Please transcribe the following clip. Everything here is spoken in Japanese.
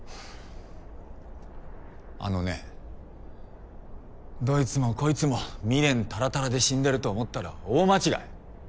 あのねどいつもこいつも未練たらたらで死んでると思ったら大間違い。